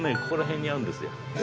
ここら辺にあるんですよ